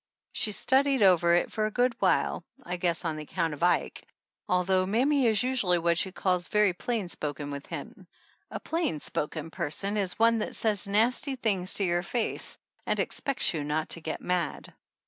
1 " She studied over it for a good while, I guess on account of Ike, although mammy is usually what she calls very plain spoken with him. A plain spoken person is one that says nasty things to your face and expects you not to get mad.